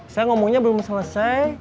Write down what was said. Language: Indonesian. saya ngomongnya belum selesai